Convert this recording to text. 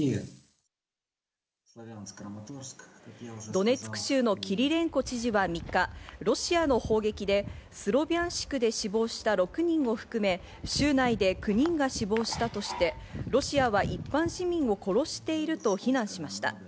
ドネツク州のキリレンコ知事は３日、ロシアの砲撃でスロビャンシクで死亡した６人を含め、州内で９人が死亡したとして、ロシアは一般市民を殺していると非難しました。